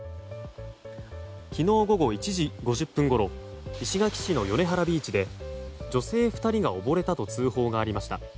昨日午後１時５０分ごろ石垣市の米原ビーチで女性２人が溺れたと通報がありました。